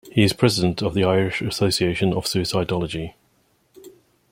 He is president of the Irish Association of Suicidology.